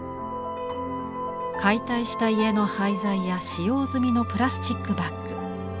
解体した家の廃材や使用済みのプラスチックバッグ。